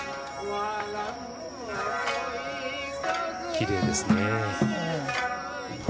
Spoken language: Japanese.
きれいですね。